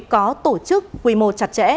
có tổ chức quy mô chặt chẽ